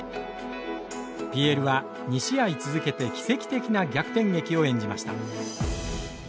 ＰＬは２試合続けて奇跡的な逆転劇を演じました。